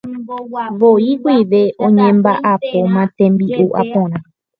voi guive oñemba'apóma tembi'u aporã.